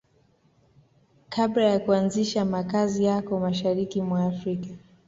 Kabla ya kuanzisha makazi yako Mashariki mwa Afrika